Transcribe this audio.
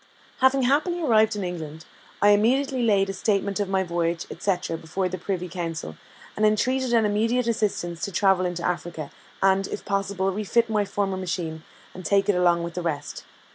Having happily arrived in England, I immediately laid a statement of my voyage, &c., before the Privy Council, and entreated an immediate assistance to travel into Africa, and, if possible, refit my former machine, and take it along with the rest.